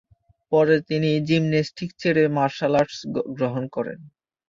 পরে তিনি জিমন্যাস্টিকস ছেড়ে মার্শাল আর্টস গ্রহণ করেন।